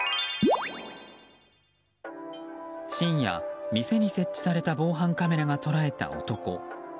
深夜、店に設置された防犯カメラが捉えた男。